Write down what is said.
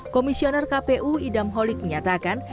komisioner kpu idam holik menyatakan